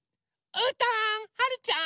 うーたんはるちゃん！